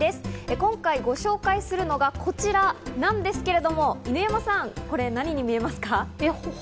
今回ご紹介するのはこちらなんですけれども、犬山さん何に見えますか？